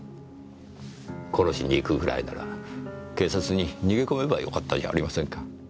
殺しに行くぐらいなら警察に逃げ込めばよかったじゃありませんか。